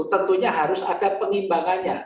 tentunya harus ada pengimbangannya